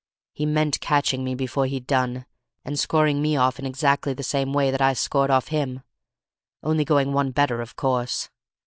He meant catching me before he'd done, and scoring me off in exactly the same way that I scored off him, only going one better of course.